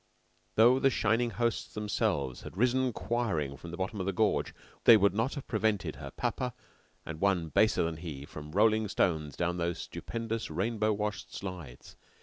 Though the shining hosts themselves had risen choiring from the bottom of the gorge, they would not have prevented her papa and one baser than he from rolling stones down those stupendous rainbow washed slides.